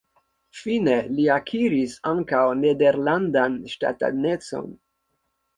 Fine li akiris ankaŭ nederlandan ŝtatanecon.